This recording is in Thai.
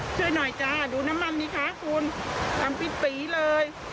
ช่วยหน่อยจ้าดูน้ำมันดิคะคุณทำผิดสีเลย